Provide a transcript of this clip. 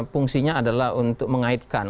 fungsinya adalah untuk mengaitkan